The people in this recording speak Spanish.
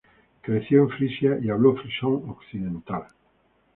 Ella creció en Frisia y habló frisón occidental.